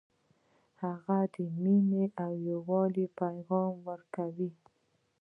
هغه د مینې او یووالي پیغام ورکوي